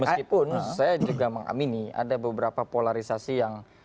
meskipun saya juga mengamini ada beberapa polarisasi yang